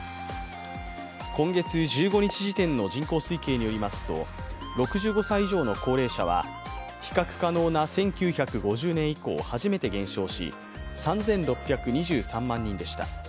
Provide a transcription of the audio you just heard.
今月１５日時点の人口推計によりますと６５歳以上の高齢者は比較可能な１９５０年以降初めて減少し３６２３万人でした。